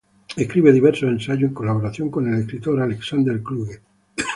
Escribe diversos ensayos en colaboración con el escritor Alexander Kluge.